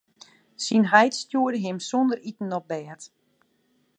Syn heit stjoerde him sûnder iten op bêd.